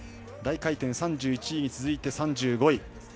大回転３１位に続いて３５位。